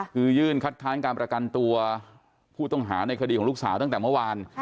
คือยื่นคัดค้านการประกันตัวผู้ต้องหาในคดีของลูกสาวตั้งแต่เมื่อวาน